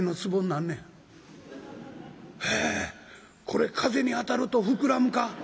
これ風に当たると膨らむか？」。